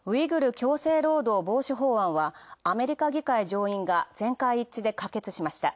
強制労働防止法案は、アメリカ議会上院が全会一致で可決しました。